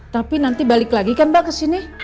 tapi nanti balik lagi kan mbak kesini